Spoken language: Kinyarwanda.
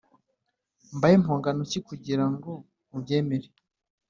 mbahe mpongano ki kugirango mubyemere